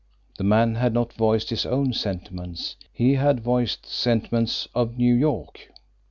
The man had not voiced his own sentiments he had voiced the sentiments of New York!